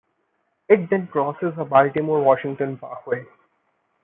It then crosses the Baltimore-Washington Parkway.